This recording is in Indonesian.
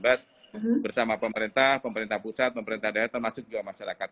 bersama pemerintah pemerintah pusat pemerintah daerah termasuk juga masyarakat